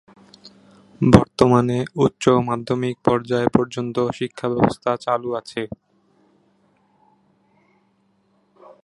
বর্তমানে উচ্চ মাধ্যমিক পর্যায় পর্যন্ত শিক্ষা ব্যবস্থা চালু আছে।